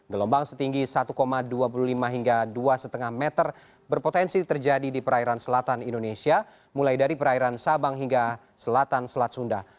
gelombang setinggi satu dua puluh lima hingga dua lima meter berpotensi terjadi di perairan selatan indonesia mulai dari perairan sabang hingga selatan selat sunda